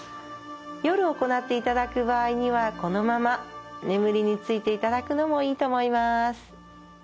夜行っていただく場合にはこのまま眠りについていただくのもいいと思います。